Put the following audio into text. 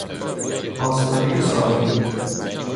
پاسداری ساحلی